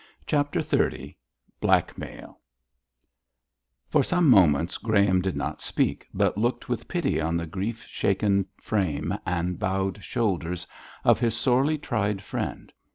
CHAPTER XXX BLACKMAIL For some moments Graham did not speak, but looked with pity on the grief shaken frame and bowed shoulders of his sorely tried friend.